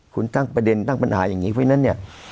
คุณตั้งประเด็นตั้งปัญหาอย่างนี้เพราะฉะนั้นเนี่ย